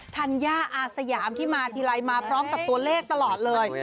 ธัญญาอาสยามที่มาทีไรมาพร้อมกับตัวเลขตลอดเลย